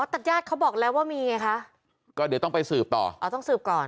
แต่ญาติเขาบอกแล้วว่ามีไงคะก็เดี๋ยวต้องไปสืบต่ออ๋อต้องสืบก่อน